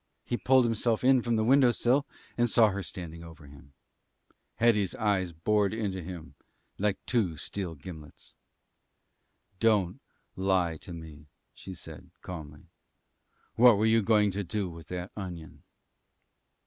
He pulled himself in from the window sill and saw her standing over him. Hetty's eyes bored into him like two steel gimlets. "Don't lie to me," she said, calmly. "What were you going to do with that onion?"